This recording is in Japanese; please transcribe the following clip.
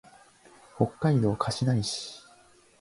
北海道歌志内市